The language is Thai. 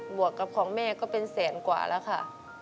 วกกับของแม่ก็เป็นแสนกว่าแล้วค่ะ